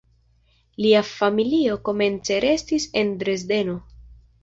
Lia familio komence restis en Dresdeno.